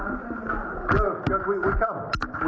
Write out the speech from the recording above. โอเคแต่เมื่อเวลา